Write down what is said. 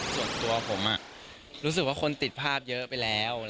ส่วนตัวผมรู้สึกว่าคนติดภาพเยอะไปแล้ว